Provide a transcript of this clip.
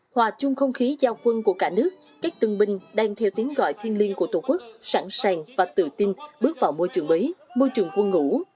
hòa chung không khí giao quân của cả nước các tân binh đang theo tiếng gọi thiên liên của tổ quốc sẵn sàng và tự tin bước vào môi trường mới môi trường quân ngũ